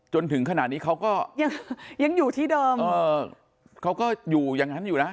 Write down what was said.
จนถึงขนาดนี้เขาก็ยังยังอยู่ที่เดิมเออเขาก็อยู่อย่างนั้นอยู่นะ